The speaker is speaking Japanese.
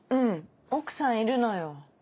奥さんいるのよ。